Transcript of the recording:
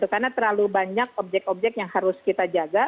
karena terlalu banyak objek objek yang harus kita jaga